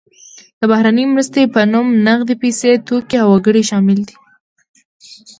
د بهرنۍ مرستې په نوم نغدې پیسې، توکي او وګړي شامل دي.